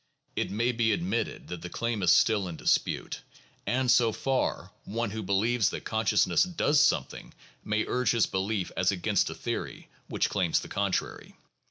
It may be admitted that the claim is still in dispute, and, so far, one who believes that consciousness does something may urge his belief as against a theory which claims the contrary.